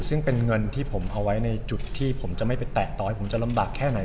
ซึ่งเป็นเงินที่ผมเอาไว้ในจุดที่ผมจะไม่ไปแตะต่อให้ผมจะลำบากแค่ไหน